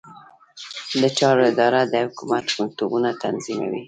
د چارو اداره د حکومت مکتوبونه تنظیموي